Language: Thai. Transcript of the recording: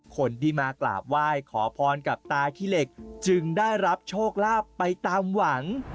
คนที่มากราบไหว้ขอพรกับตาขี้เหล็กจึงได้รับโชคลาภไปตามหวัง